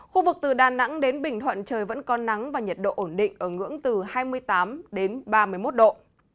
khu vực từ đà nẵng đến bình thuận trời vẫn có nắng và nhiệt độ ổn định ở ngưỡng từ hai mươi tám đến ba mươi một độ